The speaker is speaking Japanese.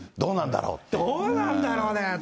どうなんだろうねと。